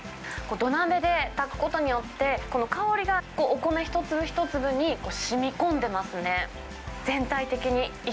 土鍋で炊くことによって、この香りがお米一粒一粒にしみこんでますね。